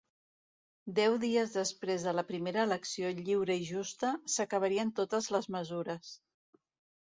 Deu dies després de la primera elecció lliure i justa, s'acabarien totes les mesures.